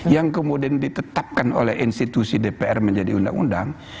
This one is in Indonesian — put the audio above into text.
yang kemudian ditetapkan oleh institusi dpr menjadi undang undang